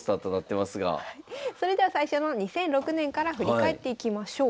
それでは最初の２００６年から振り返っていきましょう。